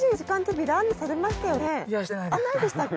してないでしたっけ？